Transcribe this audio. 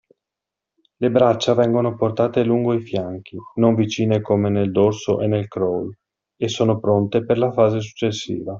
Le braccia vengono portate lungo i fianchi (non vicine come nel dorso e nel crawl) e sono pronte per la fase successiva.